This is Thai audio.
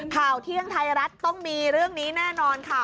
ข่าวเที่ยงไทยรัฐต้องมีเรื่องนี้แน่นอนค่ะ